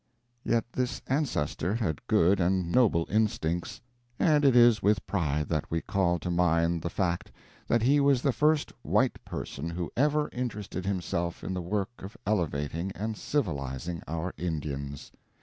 Yet this ancestor had good and noble instincts, and it is with pride that we call to mind the fact that he was the first white person who ever interested himself in the work of elevating and civilizing our Indians.